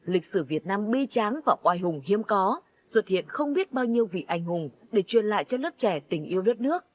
lịch sử việt nam bi tráng và oai hùng hiếm có xuất hiện không biết bao nhiêu vị anh hùng để truyền lại cho lớp trẻ tình yêu đất nước